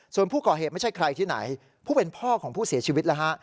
ส่วนผู้ก่อเหตุไม่ใช่ใครที่ไหนผู้เป็นพ่อของผู้เสียชีวิตแล้วฮะ